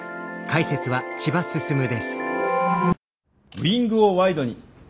ウイングをワイドに！